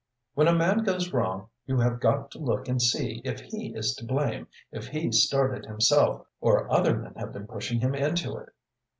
When a man goes wrong, you have got to look and see if he is to blame, if he started himself, or other men have been pushing him into it.